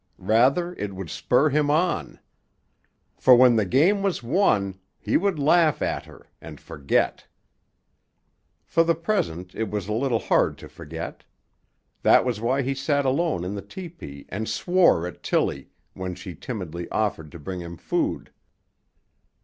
Rather it would spur him on. For when the game was won, he would laugh at her—and forget. For the present it was a little hard to forget. That was why he sat alone in the tepee and swore at Tillie when she timidly offered to bring him food.